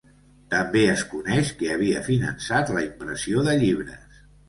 També es coneix que havia finançat la impressió de llibres.